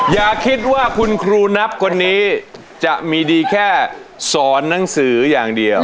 อย่าคิดว่าคุณครูนับคนนี้จะมีดีแค่สอนหนังสืออย่างเดียว